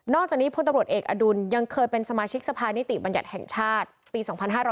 จากนี้พลตำรวจเอกอดุลยังเคยเป็นสมาชิกสภานิติบัญญัติแห่งชาติปี๒๕๕๙